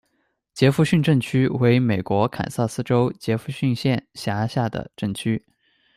杰佛逊镇区为美国堪萨斯州杰佛逊县辖下的镇区。